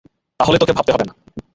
তাহলে তোকে ভাবতে হবে না।